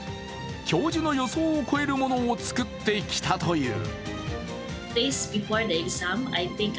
教授の予想を超えるものを作ってきたという。